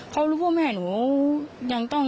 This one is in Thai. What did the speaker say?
เขารู้ว่าแม่หนูยังต้อง